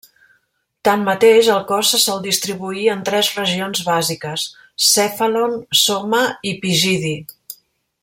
Tanmateix, el cos se sol distribuir en tres regions bàsiques: cèfalon, soma i pigidi.